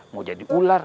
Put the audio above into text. mau jadi ular